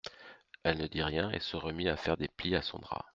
Elle ne dit rien et se remit à faire des plis à son drap.